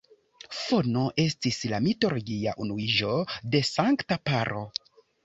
Fono estis la mitologia unuiĝo de sankta paro.